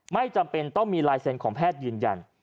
ไม่จำเป็นต้องมีลายเซ็นต์ของแพทย์ยืนยัน